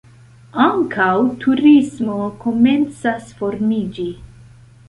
Ankaŭ turismo komencas formiĝi.